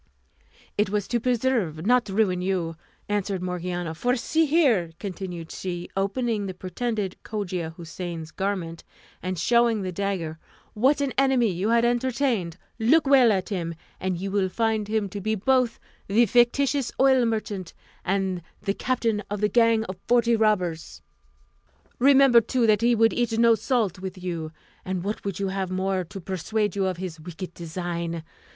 "It was to preserve, not to ruin you," answered Morgiana; "for see here," continued she, opening the pretended Cogia Houssain's garment, and showing the dagger, "what an enemy you had entertained? Look well at him, and you will find him to be both the fictitious oil merchant, and the captain of the gang of forty robbers. Remember, too, that he would eat no salt with you; and what would you have more to persuade you of his wicked design?